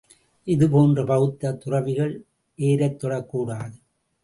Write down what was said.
இது போன்றே பெளத்தத் துறவிகள் ஏரைத் தொடக்கூடாது.